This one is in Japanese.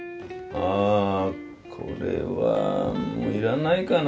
あこれはもう要らないかな。